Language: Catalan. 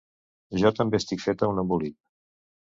Jo també estic feta un embolic.